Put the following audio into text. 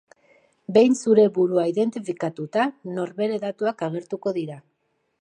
Behin zure burua identifikatuta, norbere datuak agertuko dira.